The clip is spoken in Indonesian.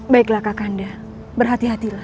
baiklah kakak anda berhati hatilah